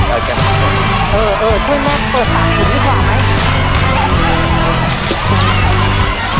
เออช่วยแม่เปิดปากถุงดีกว่าไหม